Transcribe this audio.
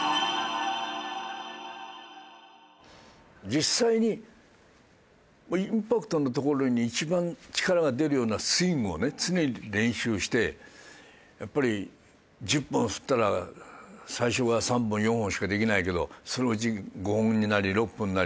実際にインパクトの所に一番力が出るようなスイングをね常に練習してやっぱり１０本振ったら最初は３本４本しかできないけどそのうち５本になり６本になりっていう感じで。